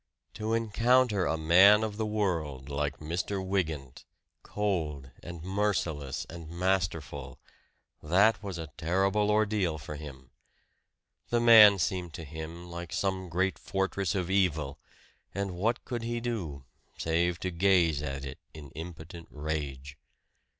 To encounter a man of the world like Mr. Wygant, cold and merciless and masterful that was a terrible ordeal for him. The man seemed to him like some great fortress of evil; and what could he do, save to gaze at it in impotent rage?